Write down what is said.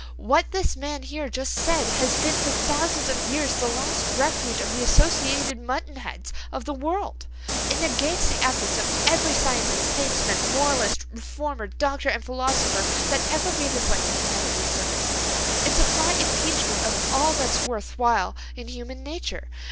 What this man here just said has been for thousands of years the last refuge of the associated mutton heads of the world. It negates the efforts of every scientist, statesman, moralist, reformer, doctor, and philosopher that ever gave his life to humanity's service. It's a flat impeachment of all that's worth while in human nature.